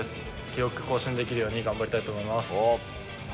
記録更新できるように頑張りたいと思います。